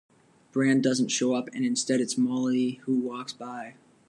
Brand doesn't show up, and instead it's Molly who walks by.